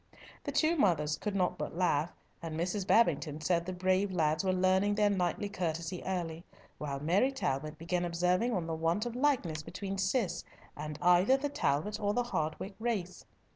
The two mothers could not but laugh, and Mrs. Babington said the brave lads were learning their knightly courtesy early, while Mary Talbot began observing on the want of likeness between Cis and either the Talbot or Hardwicke race.